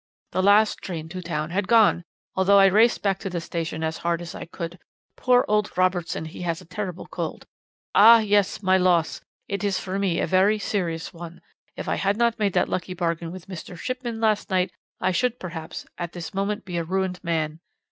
"'The last train to town had gone, although I raced back to the station as hard as I could. Poor old Robertson, he has a terrible cold. Ah yes! my loss! it is for me a very serious one; if I had not made that lucky bargain with Mr. Shipman last night I should, perhaps, at this moment be a ruined man.